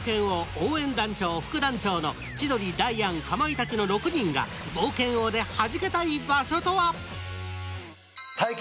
応援団長の千鳥、ダイアンかまいたちの６人が冒険王でハジけたい場所とは？